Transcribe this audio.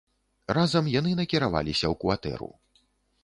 Разам яны накіраваліся ў кватэру.